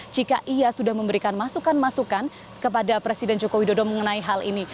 jika ia sudah memberikan masukan masukan kepada presiden joko widodo mengenai hal ini